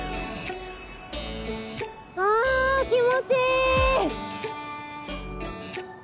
あ気持ちいい！